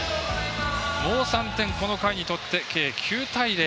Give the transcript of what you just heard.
もう３点この回に取って９対０。